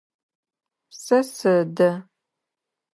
Сэ сэдэ.